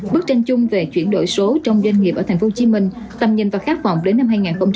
bức tranh chung về chuyển đổi số trong doanh nghiệp ở tp hcm tầm nhìn và khát vọng đến năm hai nghìn bốn mươi